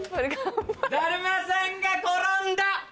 だるまさんが転んだ。